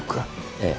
ええ。